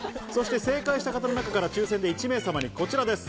正解した方の中から抽選で１名様にこちらです。